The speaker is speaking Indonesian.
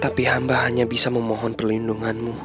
tapi hamba hanya bisa memohon perlindunganmu